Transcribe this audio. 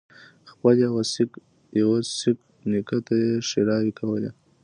خپل يوه سېک نیکه ته یې ښېراوې کولې.